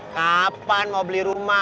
kapan mau beli rumah